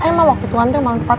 emang waktu itu hantar malem tepat